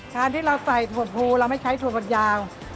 การที่เราใส่ทอดภูเราไม่ใช้ทอดผัดยาว